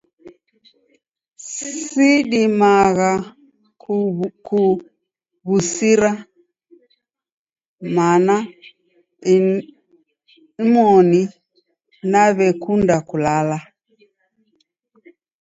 Sidimagha kukuw'usira mana inmoni naw'ekunda kulala.